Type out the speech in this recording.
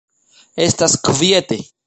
Estas kviete.